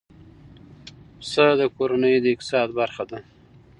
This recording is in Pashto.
پسه د کورنۍ اقتصاد برخه ده.